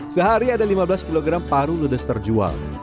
sehari ada lima belas kg paru ludes terjual